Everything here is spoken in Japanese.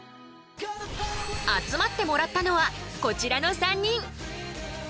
集まってもらったのはこちらの３人。